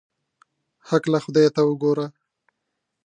هکله خدای ته وګوره.